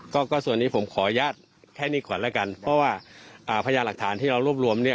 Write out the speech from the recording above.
ก็ก็ส่วนนี้ผมขออนุญาตแค่นี้ก่อนแล้วกันเพราะว่าพญาหลักฐานที่เรารวบรวมเนี่ย